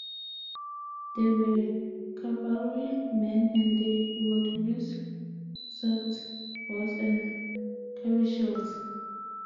They were cavalrymen, and they would use swords, bows and carry shields.